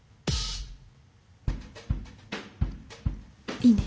いいね！